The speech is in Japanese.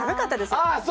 ああそうか。